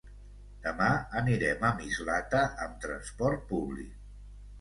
Demà anirem a Mislata amb transport públic.